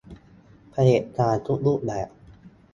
เผด็จการทุกรูปแบบ